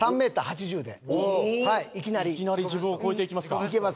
いきなり自分を超えていきますか。